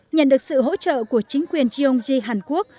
nhận được sự hỗ trợ của chính quyền gyeonggi hàn quốc